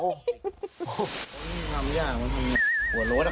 นี่มันทำยากหัวโล้นนะ